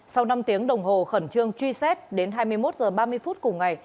sau năm tiếng đồng hồ khẩn trương truy xét đến hai mươi một h ba mươi phút cùng ngày